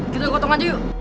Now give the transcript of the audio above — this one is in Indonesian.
kita gotong aja yuk